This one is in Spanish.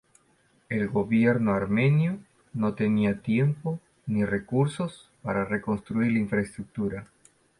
El gobierno armenio no tenía tiempo, ni recursos, para reconstruir la infraestructura.